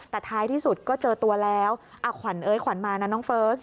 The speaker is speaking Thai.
แต่ท้ายที่สุดก็เจอตัวแล้วขวัญเอ้ยขวัญมานะน้องเฟิร์ส